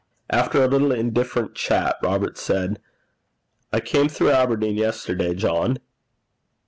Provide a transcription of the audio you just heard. After a little indifferent chat, Robert said, 'I came through Aberdeen yesterday, John.'